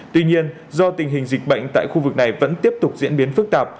tuy nhiên do tình hình dịch bệnh tại khu vực này vẫn tiếp tục diễn biến phức tạp